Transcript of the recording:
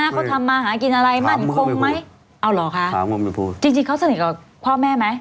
เขาทำมาหากินอะไรมั่นคงไหมเอาเหรอคะจริงจริงเขาสนิทกับพ่อแม่ไหม